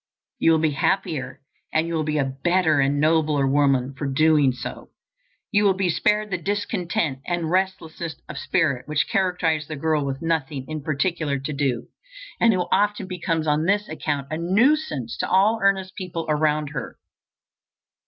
You will be happier, and you will be a better and nobler woman, for so doing. You will be spared the discontent and restlessness of spirit which characterize the girl with nothing in particular to do, and who often becomes on this account a nuisance to all earnest people around her.